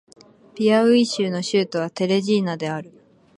ピアウイ州の州都はテレジーナである